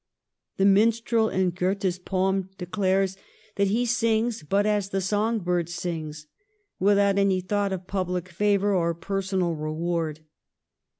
The minstrel in Goethe's poem declares that he sings but as the song bird sings, without any thought of public favour or personal reward.